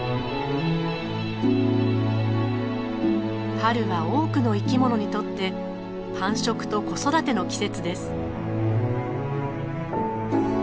春は多くの生きものにとって繁殖と子育ての季節です。